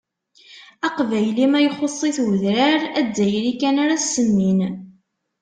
Aqbayli ma ixuṣṣ-it udrar, azzayri kan ara s-semmin.